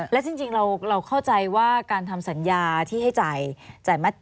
และจริงเราเข้าใจว่าการทำสัญญาที่ให้จ่ายมา